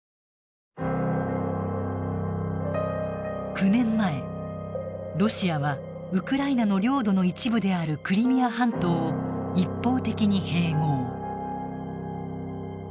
９年前ロシアはウクライナの領土の一部であるクリミア半島を一方的に併合。